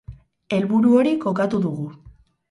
Helburu hori kokatu dugu.